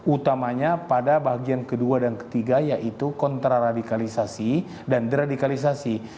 utamanya pada bagian kedua dan ketiga yaitu kontraradikalisasi dan deradikalisasi